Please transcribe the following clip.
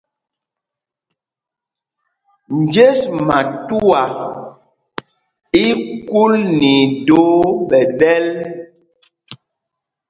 Njes matuá í í kúl nɛ idōō ɓɛ ɗɛ́l.